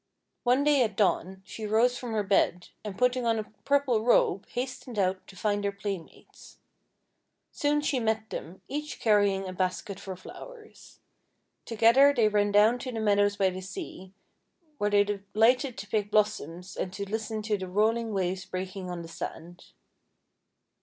One day at dawn, she rose from her bed, and putting on a purple robe, hastened out to find her playmates. Soon she met them, each carry ing a basket for flowers. Together they ran down to the meadows by the sea, where they de lighted to pick blossoms and to listen to the rolling waves breaking on the sand.